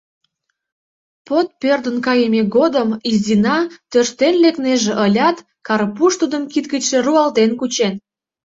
Под пӧрдын кайыме годым Изина тӧрштен лекнеже ылят, Карпуш тудым кид гычше руалтен кучен.